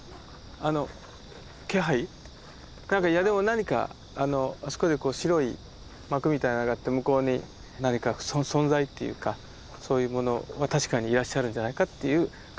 何かあそこで白い幕みたいなのがあって向こうに何か存在っていうかそういうものは確かにいらっしゃるんじゃないかっていう感じは受けました。